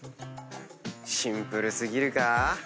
シンプル過ぎるか？